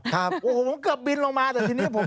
ครับโอ้โหผมเกือบบินลงมาแต่ทีนี้ผม